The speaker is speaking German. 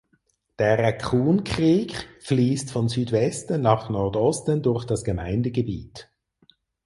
Der Raccoon Creek fließt von Südwesten nach Nordosten durch das Gemeindegebiet.